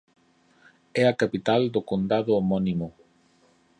É a capital do condado homónimo.